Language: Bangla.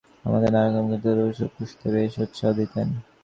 ঠিক এইজন্যেই বোধ করি, বাবা-মা আমাকে নানারকম গৃহপালিত পশু পুষতে বেশ উৎসাহ দিতেন।